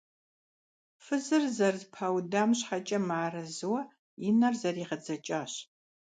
Фызыр зэрызэпаудам щхьэкӀэ мыарэзыуэ и нэр зэригъэдзэкӀащ.